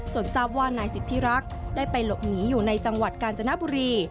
ส่วนทราบว่านายสิทธิรักษ์ได้ไปหลบหนีอยู่ในจังหวัดกาญจนบุรี